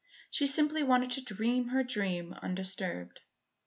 She simply wanted to dream her dream undisturbed.